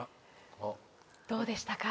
どうでしたか？